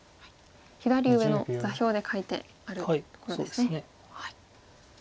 左上の座標で書いてあるものですね。